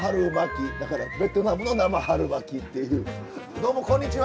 どうもこんにちは。